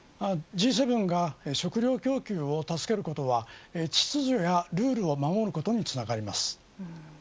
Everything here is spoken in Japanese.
Ｇ７が食料供給を助けることは秩序やルールを守ることにつながります。